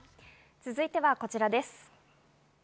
続いてはこちらです。